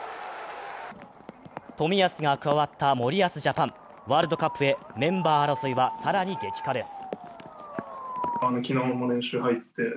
冨安が加わった森保ジャパン、ワールドカップへ、メンバー争いは更に激化です。